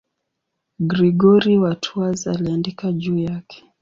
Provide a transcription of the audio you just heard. Gregori wa Tours aliandika juu yake.